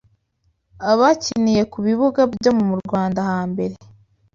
Abakiniye ku bibuga byo mu Rwanda hambere